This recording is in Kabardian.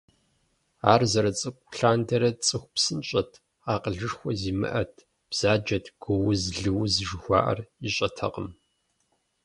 Ар зэрыцӏыкӏу лъандэрэ цӀыху псынщӀэт, акъылышхуэ зимыӀэт, бзаджэт, гууз-лыуз жыхуаӏэр ищӏэтэкъым.